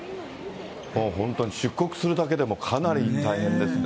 もう本当に出国するだけでもかなり大変ですね。